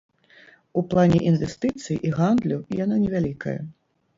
У плане інвестыцый і гандлю яна невялікая.